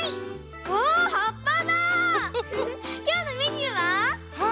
きょうのメニューは？